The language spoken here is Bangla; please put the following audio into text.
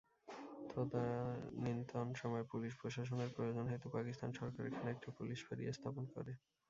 তদানিন্তন সময়ে পুলিশ প্রশাসনের প্রয়োজন হেতু পাকিস্তান সরকার এখানে একটি পুলিশ ফাঁড়ি স্থাপন করে।